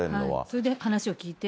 それで話を聞いて。